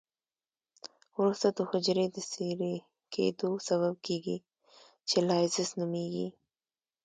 وروسته د حجري د څیرې کیدو سبب کیږي چې لایزس نومېږي.